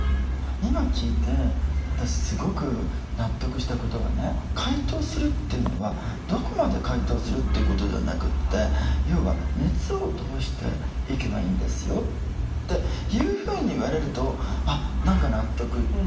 今聞いて私すごく納得したことはね解凍するというのはどこまで解凍するということではなくて要は「熱を通していけばいいんですよ」というふうに言われるとあっ何か納得っていう。